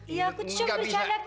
iya aku juga bercanda kakek